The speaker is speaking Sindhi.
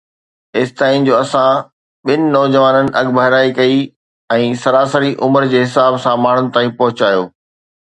ايستائين جو اسان ٻن نوجوانن اڳڀرائي ڪئي ۽ سراسري عمر جي حساب سان ماڻهن تائين پهچايو